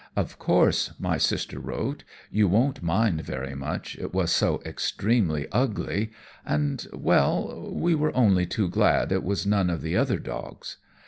'Of course,' my sister wrote, 'you won't mind very much it was so extremely ugly, and well we were only too glad it was none of the other dogs.'